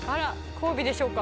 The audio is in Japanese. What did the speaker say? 交尾でしょうか。